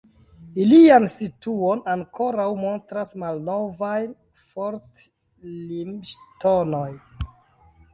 Ilian situon ankoraŭ montras malnovaj forst-limŝtonoj.